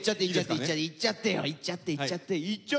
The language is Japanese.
いっちゃっていっちゃっていっちゃってよ！